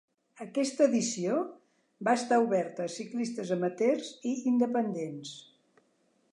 Aquesta edició va estar oberta a ciclistes amateurs i independents.